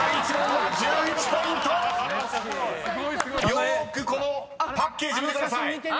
［よーくこのパッケージ見てください］